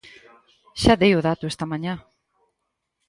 Xa dei o dato esta mañá.